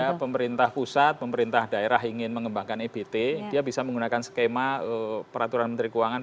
jika pemerintah pusat pemerintah daerah ingin mengembangkan ebt dia bisa menggunakan skema peraturan menteri keuangan pmk satu ratus tujuh puluh satu